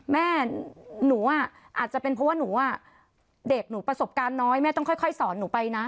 แม่หนูอาจจะเป็นเพราะว่าหนูเด็กหนูประสบการณ์น้อยแม่ต้องค่อยสอนหนูไปนะ